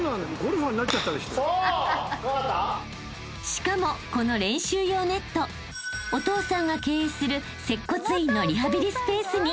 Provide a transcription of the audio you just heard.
［しかもこの練習用ネットお父さんが経営する接骨院のリハビリスペースにＤＩＹ］